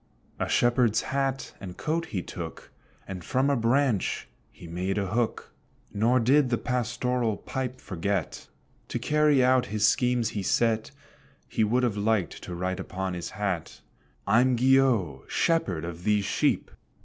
A Shepherd's hat and coat he took, And from a branch he made a hook; Nor did the pastoral pipe forget. To carry out his schemes he set, He would have liked to write upon his hat, "I'm Guillot, Shepherd of these sheep!"